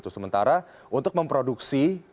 sementara untuk memproduksi